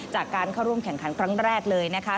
จากการเข้าร่วมแข่งขันครั้งแรกเลยนะคะ